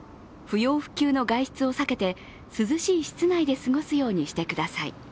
不要不急の外出を避けて涼しい室内で過ごすようにしてください。